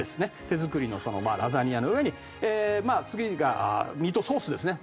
手作りのそのラザニアの上に次がミートソースですね。